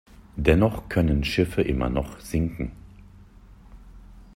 Dennoch können Schiffe immer noch sinken.